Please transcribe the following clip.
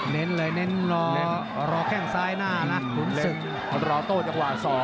เณ้ยรอแข้งซ้ายหน้านะคุณศึก